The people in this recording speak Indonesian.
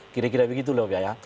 kira kira begitu loh ya